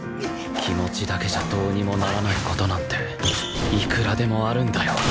気持ちだけじゃどうにもならない事なんていくらでもあるんだよ